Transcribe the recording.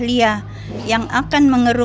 kita cari lagi